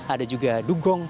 ada juga dugong